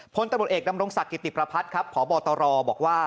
พลตำรวจเอกดำรงศักดิติประพัฒน์ครับพบตรบอกว่า